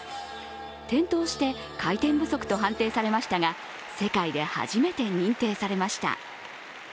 転倒して回転不足と判定されましたが世界で初めて認定されました。